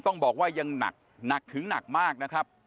ต้องบอกว่ายังหนักหนักถึงหนักมากนะครับ